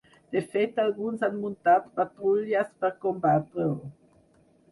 De fet, alguns han muntat patrulles per combatre-ho.